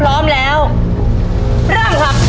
ตัวเลือกที่สี่ชัชวอนโมกศรีครับ